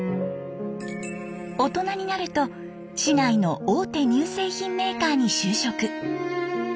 大人になると市内の大手乳製品メーカーに就職。